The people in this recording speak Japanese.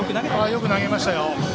よく投げましたよ。